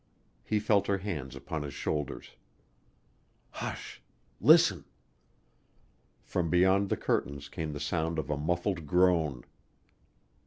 He felt her hands upon his shoulders. "Hush! Listen!" From beyond the curtains came the sound of a muffled groan.